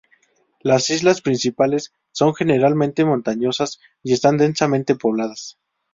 Las islas principales son generalmente montañosas y están densamente pobladas.